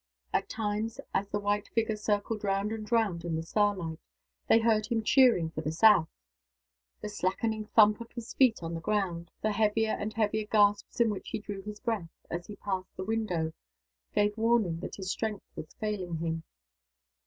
At times, as the white figure circled round and round in the star light, they heard him cheering for "the South." The slackening thump of his feet on the ground, the heavier and heavier gasps in which he drew his breath, as he passed the window, gave warning that his strength was failing him.